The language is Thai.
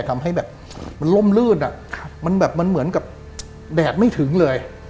ทำให้โล่มลื่นอ่ะมันเหมือนกับแดดไม่ถึงเลย